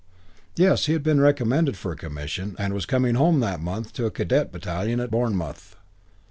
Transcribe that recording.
Yes, he had been recommended for a commission and was coming home that month to a Cadet battalion at Bournemouth.